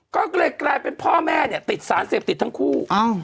ก็เลยกลายเป็นพ่อแม่เนี่ยติดสารเสพติดทั้งคู่